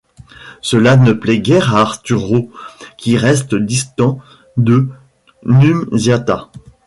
Cela ne plaît guère à Arturo qui reste distant de Nunziata.